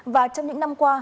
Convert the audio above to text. và trong những năm qua